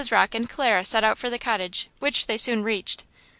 Rocke and Clara set out for the cottage, which they soon reached.